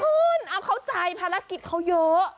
คุณเอาเข้าใจภารกิจเขาเยอะ